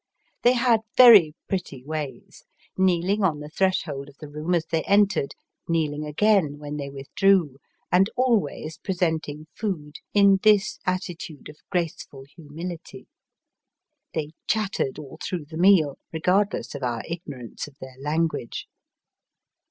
They had very pretty ways, kneeling on the threshold of the room as they entered, kneeling again when they withdrew, and always presenting food in this attitude of graceful humility. They chattered all through the meal, regardless of our ignorance of their language.